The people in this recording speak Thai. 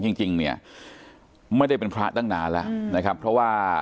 จริงจริงเนี่ยไม่ได้เป็นพระตั้งนานแล้วนะครับเพราะว่า